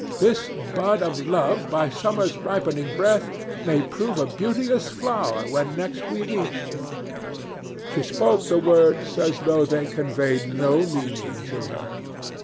This bud of love by summer's ripening breath May prove a beauteous flower when next we meet— she spoke the words as though they conveyed no meaning to her.